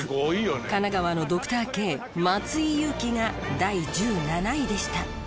神奈川のドクターＫ松井裕樹が第１７位でした。